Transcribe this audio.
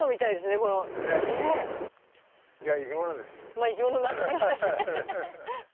まあ生き物なんですよね。